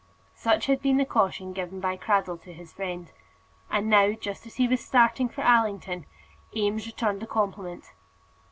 Such had been the caution given by Cradell to his friend. And now, just as he was starting for Allington, Eames returned the compliment.